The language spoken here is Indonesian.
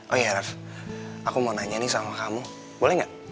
oh ya raff aku mau nanya nih sama kamu boleh nggak